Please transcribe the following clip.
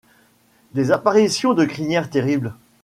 Des apparitions de crinière terrible :